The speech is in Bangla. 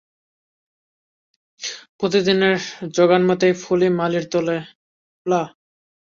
প্রতিদিনের জোগানমত এই ফুলই মালীর তোলা।